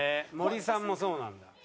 森さんもそうなんだ。